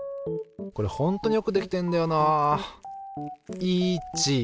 これほんとによくできてんだよな。